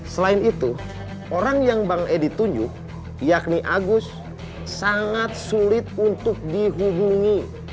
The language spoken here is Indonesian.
selain itu orang yang bang edi tunjuk yakni agus sangat sulit untuk dihubungi